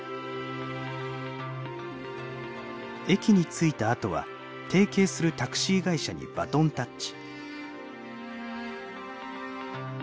駅に着いたあとは提携するタクシー会社にバトンタッチ。